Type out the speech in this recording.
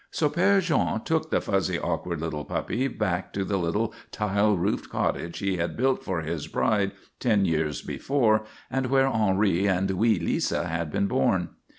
So Père Jean took the fuzzy, awkward little puppy back to the little tile roofed cottage he had built for his bride ten years before, and where Henri and wee Lisa had been born.